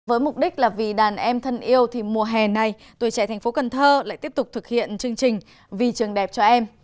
với mục đích là vì đàn em thân yêu thì mùa hè này tuổi trẻ thành phố cần thơ lại tiếp tục thực hiện chương trình vì trường đẹp cho em